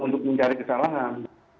untuk mencari kesalahan